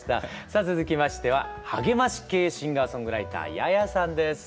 さあ続きましては励まし系シンガーソングライターｙａｙＡさんです。